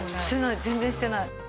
全然してない。